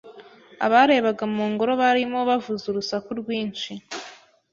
Abarebaga mu ngoro barimo bavuza urusaku rwinshi.